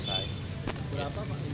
berapa ini harganya